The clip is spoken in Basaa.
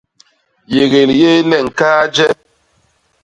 Yégél yéé le ñkaa njék.